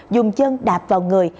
dùng chân đạp vào người